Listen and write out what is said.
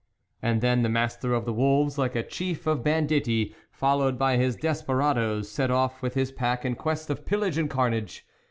And then the master of the wolves, like a chief of banditti followed by his des peradoes, set off with his pack in quest of pillage and carnage.